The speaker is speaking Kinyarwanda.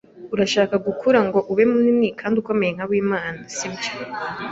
Urashaka gukura ngo ube munini kandi ukomeye nka Uwimana, sibyo?